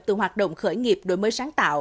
từ hoạt động khởi nghiệp đổi mới sáng tạo